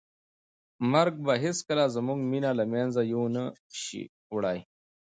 مرګ به هیڅکله زموږ مینه له منځه یو نه شي وړی.